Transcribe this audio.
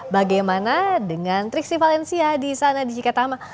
bagaimana dengan triksi valencia di sana di cikatama